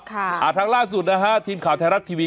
ทางล่าสุดนะฮะทีมข่าวไทยรัฐทีวี